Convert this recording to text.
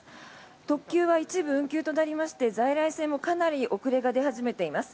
特急は一部運休となりまして在来線もかなり遅れが出始めています。